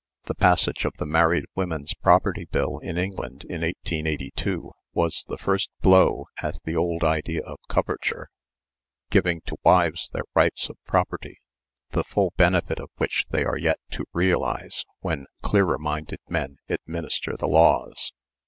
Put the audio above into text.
The passage of the Married Women's Property Bill in England in 1882 was the first blow at the old idea of coverture, giving to wives their rights of property, the full benefit of which they are yet to realize when clearer minded men administer the laws.